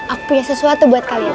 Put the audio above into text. aku punya sesuatu buat kalian